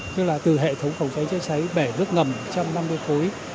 tức là từ hệ thống phòng cháy chữa cháy bể nước ngầm một trăm năm mươi khối